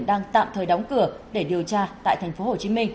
đang tạm thời đóng cửa để điều tra tại tp hcm